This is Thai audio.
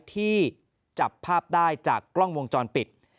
ที่จับภาพได้จากกล้องวงจรปิด